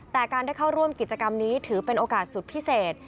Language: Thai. แต่การได้เข้าร่วมกิจกรรมนี้ถือเป็นโอกาสสุดพิเศษ